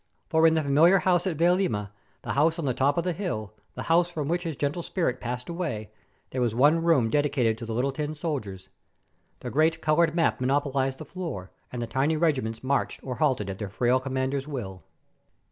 For, in the familiar house at Vailima, the house on the top of the hill, the house from which his gentle spirit passed away, there was one room dedicated to the little tin soldiers. The great coloured map monopolized the floor, and the tiny regiments marched or halted at their frail commander's will.